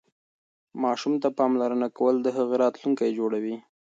ماسوم ته پاملرنه کول د هغه راتلونکی جوړوي.